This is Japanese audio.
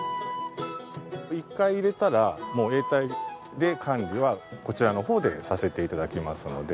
一回入れたらもう永代で管理はこちらの方でさせて頂きますので。